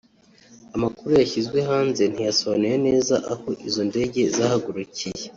Amakuru yashyizwe hanze ntiyasobanuye neza aho izo ndege zahagurukiye